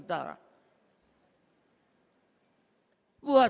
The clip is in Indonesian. buat airbus itu